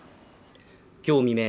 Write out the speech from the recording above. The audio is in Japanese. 今日未明